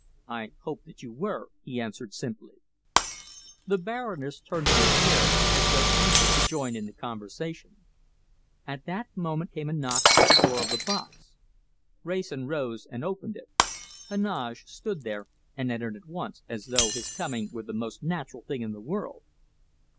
"I hoped that you were," he answered simply. The Baroness turned in her chair as though anxious to join in the conversation. At that moment came a knock at the door of the box. Wrayson rose and opened it. Heneage stood there and entered at once, as though his coming were the most natural thing in the world.